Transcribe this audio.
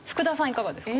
いかがですか？